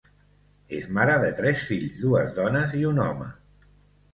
És mare de tres fills, dues dones i un home.